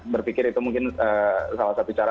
berpikir itu mungkin salah satu cara